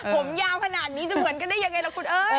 ผมยาวขนาดนี้จะเหมือนกันได้ยังไงล่ะคุณเอ้ย